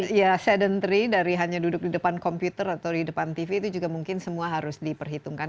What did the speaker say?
iya sedentry dari hanya duduk di depan komputer atau di depan tv itu juga mungkin semua harus diperhitungkan